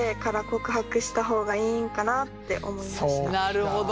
なるほど。